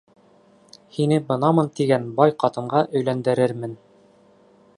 Һине бынамын тигән бай ҡатынға өйләндерермен.